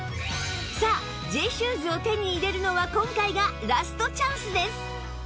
さあ Ｊ シューズを手に入れるのは今回がラストチャンスです！